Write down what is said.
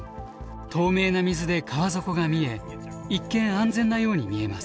透明な水で川底が見え一見安全なように見えます。